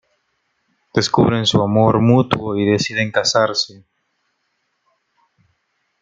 Descubren su amor mutuo y deciden casarse.